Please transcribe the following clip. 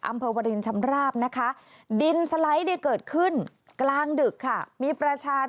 อำเภอวรินชำราบนะคะดินสไลด์เนี่ยเกิดขึ้นกลางดึกค่ะมีประชาชน